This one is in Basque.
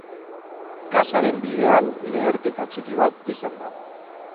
Gasaren bidean leherketa txiki bat izan da.